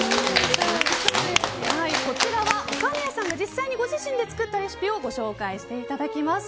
こちらは岡根谷さんが実際にご自身で作ったレシピをご紹介していただきます。